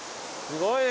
すごーい！